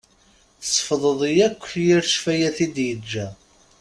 Tessefḍeḍ akk yir ccfayat i d-yeǧǧa.